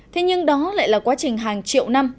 thế nhưng đó lại là quá trình hàng triệu năm